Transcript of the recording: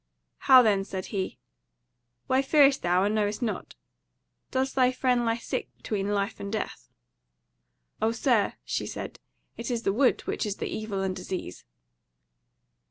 "How then," said he, "why fearest thou, and knowest not? doth thy friend lie sick between life and death?" "O Sir," she said, "it is the Wood which is the evil and disease."